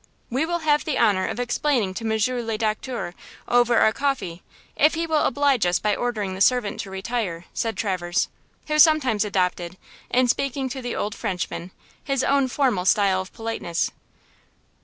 "We will have the honor of explaining to Monsieur le Docteur, over our coffee, if he will oblige us by ordering the servant to retire," said Traverse, who sometimes adopted, in speaking to the old Frenchman, his own formal style of politeness.